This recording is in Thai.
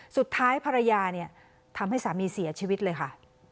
สุดท้ายภรรยาเนี่ยทำให้สามีเสียชีวิตเลยค่ะ